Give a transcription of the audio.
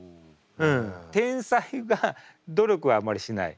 天才が努力をあまりしない。